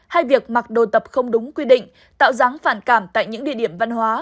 hay việc mặc đồ tập không đúng quy định tạo dáng phản cảm tại những địa điểm văn hóa